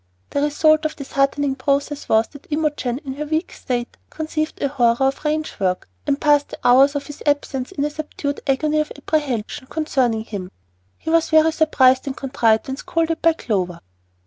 The result of this "heartening," process was that Imogen, in her weak state, conceived a horror of ranch work, and passed the hours of his absence in a subdued agony of apprehension concerning him. He was very surprised and contrite when scolded by Clover.